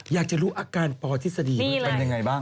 อยากจะรู้อาการปอทฤษฎีบ้างเป็นยังไงบ้าง